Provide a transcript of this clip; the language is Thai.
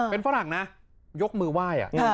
เป็นฝรั่งนะยกมือไหว้